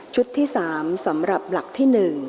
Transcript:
ที่๓สำหรับหลักที่๑